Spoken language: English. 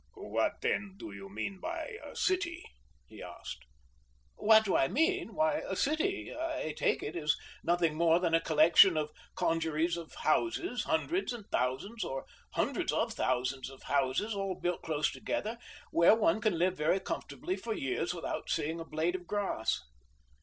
"What, then, do you mean by a city?" he asked. "What do I mean? Why, a city, I take it, is nothing more than a collection or congeries of houses hundreds and thousands, or hundreds of thousands of houses, all built close together, where one can live very comfortably for years without seeing a blade of grass."